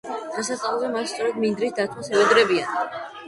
დღესასწაულზე მას სწორედ მინდვრის დაცვას ევედრებიან.